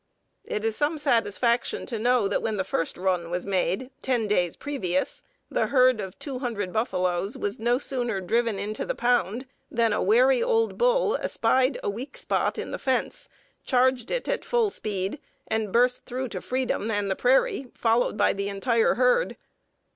It is some satisfaction to know that when the first "run" was made, ten days previous, the herd of two hundred buffaloes was no sooner driven into the pound than a wary old bull espied a weak spot in the fence, charged it at full speed, and burst through to freedom and the prairie, followed by the entire herd.